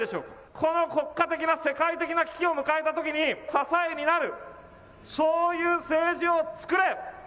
この国家的な世界的な危機を迎えたときに支えになる、そういう政治をつくれ。